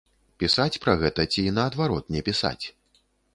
Пісаць пра гэта ці, наадварот, не пісаць?